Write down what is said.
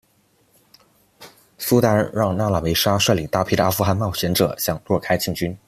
苏丹让那腊梅拉率领大批的阿富汗冒险者向若开进军。